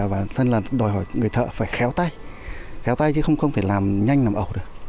và thân là đòi hỏi người thợ phải khéo tay khéo tay chứ không thể làm nhanh làm ẩu được